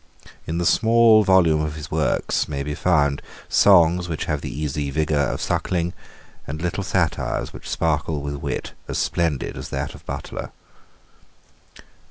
In the small volume of his works may be found songs which have the easy vigour of Suckling, and little satires which sparkle with wit as splendid as that of Butler.